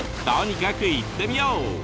とにかく行ってみよう！